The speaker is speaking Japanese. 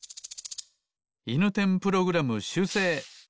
いぬてんプログラムしゅうせい。